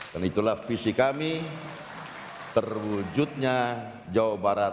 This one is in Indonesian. dan itulah visi kami terwujudnya jawa barat